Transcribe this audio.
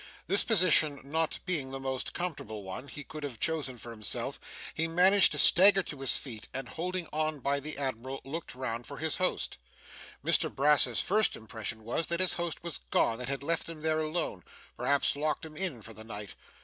This position not being the most comfortable one he could have chosen for himself, he managed to stagger to his feet, and, holding on by the admiral, looked round for his host. Mr Brass's first impression was, that his host was gone and had left him there alone perhaps locked him in for the night.